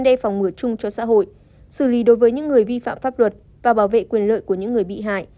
đồng cho xã hội xử lý đối với những người vi phạm pháp luật và bảo vệ quyền lợi của những người bị hại